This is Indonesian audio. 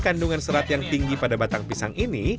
kandungan serat yang tinggi pada batang pisang ini